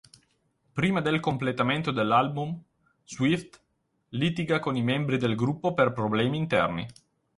Prima del completamento dell'album, Swift litiga con i membri del gruppo per problemi interni.